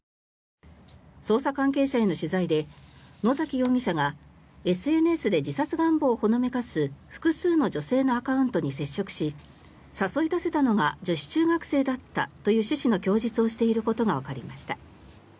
捜査関係者への取材で野崎容疑者がＳＮＳで自殺願望をほのめかす複数の女性のアカウントに接触し誘い出せたのが女子中学生だったという趣旨の供述をしていることがわかりました。